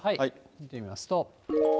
見てみますと。